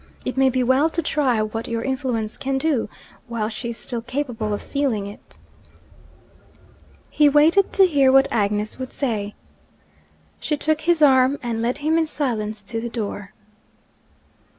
It may be well to try what your influence can do while she is still capable of feeling it.' He waited to hear what Agnes would say. She took his arm and led him in silence to the door.